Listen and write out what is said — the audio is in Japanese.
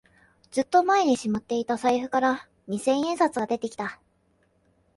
ずっと前にしまっていた財布から二千円札が出てきた